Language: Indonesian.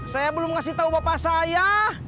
saya belum ngasih tau bapak saya